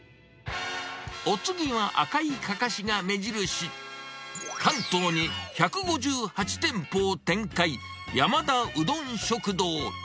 お次は、赤いかかしが目印、関東に１５８店舗を展開、山田うどん食堂。